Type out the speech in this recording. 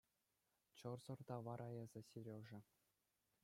Чӑрсӑр та вара эсӗ, Сережа.